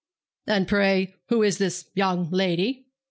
'And pray who is this young lady?'